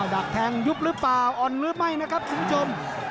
ดักแทงยุบหรือเปล่าอ่อนหรือไม่นะครับคุณผู้ชม